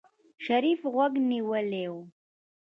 شريف غوږ نيولی و.